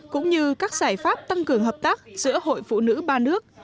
cũng như các giải pháp tăng cường hợp tác giữa hội phụ nữ ba nước